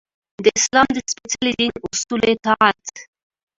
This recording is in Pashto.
د اسلام د سپیڅلي دین اصولو اطاعت.